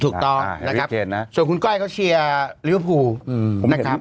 ถูกต้องส่วนคุณก้อยเขาเชียร์ลิวพูนะครับ